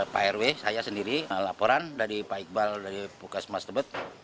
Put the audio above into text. pak rw saya sendiri laporan dari pak iqbal dari pusmas tebat